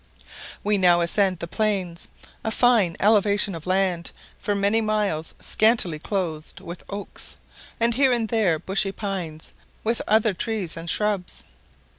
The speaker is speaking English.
We now ascended the plains a fine elevation of land for many miles scantily clothed with oaks, and here and there bushy pines, with other trees and shrubs.